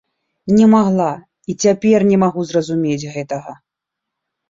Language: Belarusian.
Не магла, і цяпер не магу зразумець гэтага.